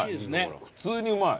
普通にうまい。